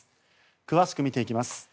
詳しく見ていきます。